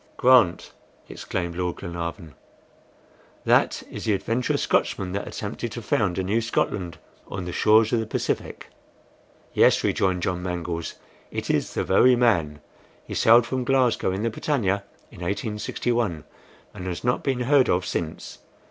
'" "Grant!" exclaimed Lord Glenarvan. "That is the adventurous Scotchman that attempted to found a new Scotland on the shores of the Pacific." "Yes," rejoined John Mangles, "it is the very man. He sailed from Glasgow in the BRITANNIA in 1861, and has not been heard of since."